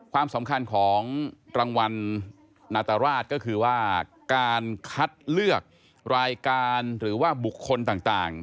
ความสำคัญของรางวัลนาตราชก็คือว่าการคัดเลือกรายการหรือว่าบุคคลต่าง